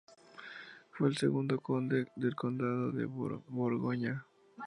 Fue el segundo conde del Condado de Borgoña.